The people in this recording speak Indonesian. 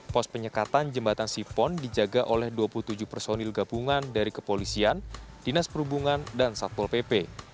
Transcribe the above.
pos penyekatan jembatan sipon dijaga oleh dua puluh tujuh personil gabungan dari kepolisian dinas perhubungan dan satpol pp